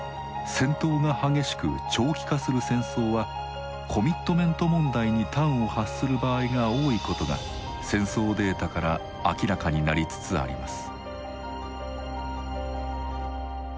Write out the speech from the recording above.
戦闘が激しく長期化する戦争はコミットメント問題に端を発する場合が多いことが戦争データから明らかになりつつあります。